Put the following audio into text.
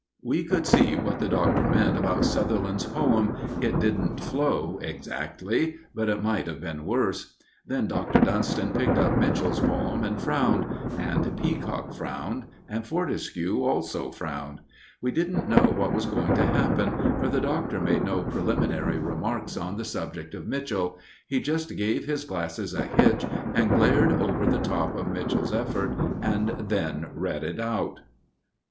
We could see what the Doctor meant about Sutherland's poem it didn't flow exactly; but it might have been worse. Then Dr. Dunston picked up Mitchell's poem and frowned; and Peacock frowned; and Fortescue also frowned. We didn't know what was going to happen, for the Doctor made no preliminary remarks on the subject of Mitchell. He just gave his glasses a hitch and glared over the top of Mitchell's effort and then read it out.